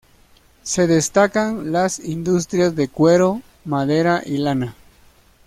Se destacan las industrias de cuero, madera y lana.